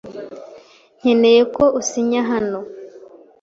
Nkeneye ko usinya hano.